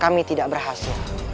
kami tidak berhasil